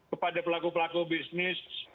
kepada pelaku pelaku bisnis